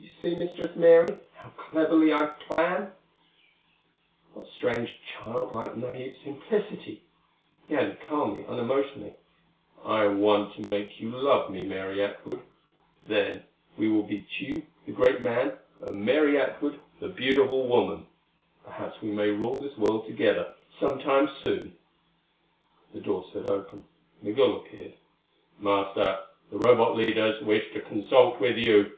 You see, Mistress Mary, how cleverly I plan?" What strange, childlike, naive simplicity! He added calmly, unemotionally, "I want to make you love me, Mary Atwood. Then we will be Tugh, the great man, and Mary Atwood, the beautiful woman. Perhaps we may rule this world together, some time soon." The door slid open. Migul appeared. "Master, the Robot leaders wish to consult with you."